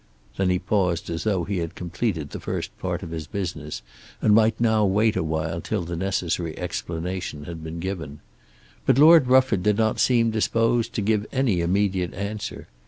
Then he paused as though he had completed the first part of his business, and might now wait awhile till the necessary explanation had been given. But Lord Rufford did not seem disposed to give any immediate answer.